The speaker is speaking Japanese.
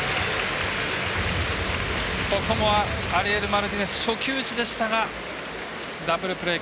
ここは、アリエル・マルティネス初球打ちでしたがダブルプレー。